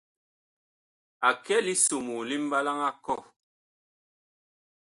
A kɛ lisomoo li mɓalaŋ a kɔh.